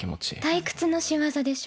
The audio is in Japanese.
退屈の仕業でしょ。